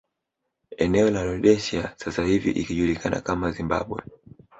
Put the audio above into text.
Eneo la Rhodesia sasa hivi ikijulikana kama Zimbabwe